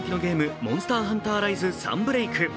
「モンスターハンターライズ：サンブレイク」